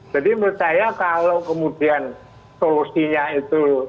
jadi menurut saya kalau kemudian solusinya itu